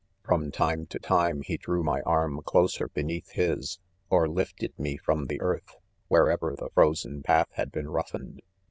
From time to time he drew my arm closer beneath his, or lifted me from the earth wherever the frozen path had been roughened.